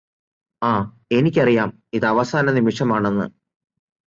ആ എനിക്കറിയാം ഇതവസാന നിമിഷമാണെന്ന്